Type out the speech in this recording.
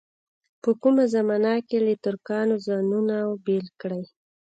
په کومه زمانه کې له ترکانو ځانونه بېل کړي.